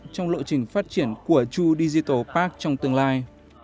trong lộ trình phát triển của true digital park trong tương lai